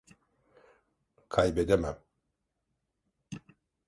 Kaybedemem.